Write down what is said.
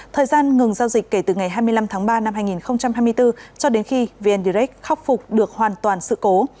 thời gian ngừng giao dịch kể từ ngày hai mươi năm tháng ba năm hai nghìn hai mươi bốn cho đến khi vn direct khắc phục được hoàn toàn sự cố